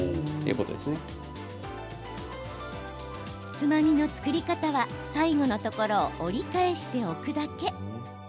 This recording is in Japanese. つまみの作り方は最後のところを折り返しておくだけ。